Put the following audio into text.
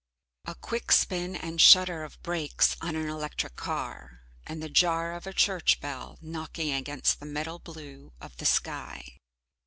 A quick spin and shudder of brakes on an electric car, and the jar of a church bell knocking against the metal blue of the sky.